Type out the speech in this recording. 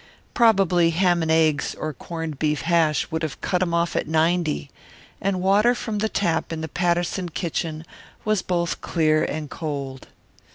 Probably ham and eggs or corned beef hash would have cut him off at ninety, and water from the tap in the Patterson kitchen was both clear and cold.